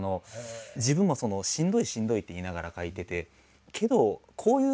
自分もしんどいしんどいって言いながら描いてて。